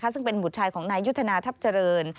ซึ่งเป็นบุตรชายของนายยุทธนาทัพเจริญ